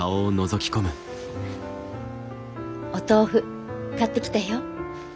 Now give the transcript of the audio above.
お豆腐買ってきたよ。